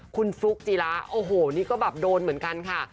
คุณฟลุ๊กจีระโอ้โหนี่ก็แบบโดนเหมือนกันค่ะ